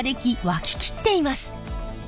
沸き切っています。